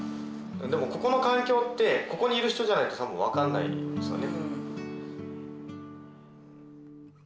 でもここの環境ってここにいる人じゃないとたぶん分かんないんですよね。